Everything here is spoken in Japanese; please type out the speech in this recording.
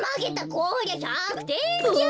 こりゃ１００てんじゃ。